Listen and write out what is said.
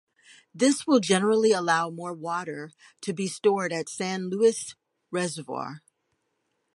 This will generally allow more water to be stored at San Luis Reservoir.